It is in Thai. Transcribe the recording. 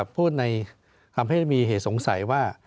พูดในทำให้มีเหตุสงสัยว่า